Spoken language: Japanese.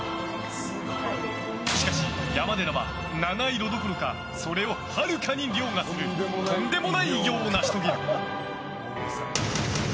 しかし、山寺は七色どころかそれをはるかに凌駕するとんでもない偉業を成し遂げる！